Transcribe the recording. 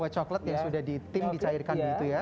white chocolate yang sudah ditim dicairkan begitu ya